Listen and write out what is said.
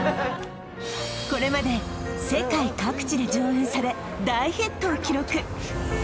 これまで世界各地で上演され大ヒットを記録！